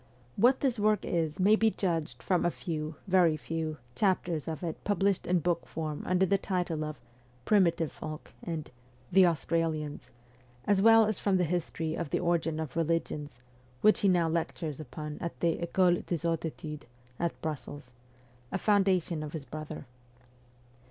What this work is may be judged from a few, very few, chapters of it published in book form under the title of ' Primitive Folk ' and ' The Australians,' as well as from the history of the origin of religions, which he now lectures' upon at the ficole des Hautes Etudes, at Brussels a foundation of his brother.